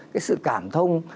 cái sự cảm thông